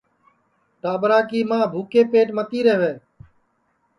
ٹاٻرا کُی ماں بُھکے پیٹ متی رہوے